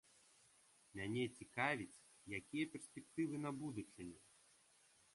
Мяне цікавіць, якія перспектывы на будучыню!